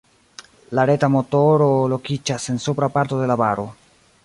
La reta motoro lokiĝas en supra parto de la baro.